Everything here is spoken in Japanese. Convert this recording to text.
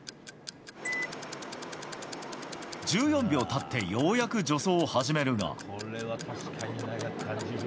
１４秒たって、ようやく助走を始めるが。